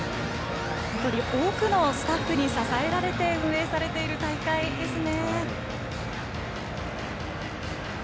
多くのスタッフに支えられて運営されている大会ですね。